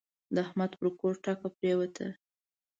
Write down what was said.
د احمد پر کور ټکه پرېوته.